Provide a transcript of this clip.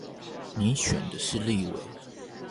你選的是立委